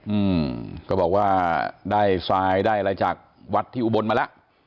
อืมก็บอกว่าได้ทรายได้อะไรจากวัดที่อุบลมาแล้ว